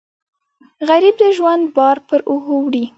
غریب د ژوند بار پر اوږو وړي